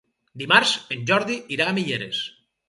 Dimarts en Jordi irà a Mieres.